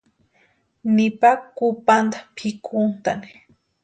Nipa kupanta pʼikuntʼani.